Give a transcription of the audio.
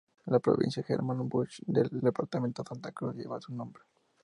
La Provincia Germán Busch del Departamento de Santa Cruz lleva su nombre.